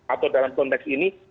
atau dalam konteks ini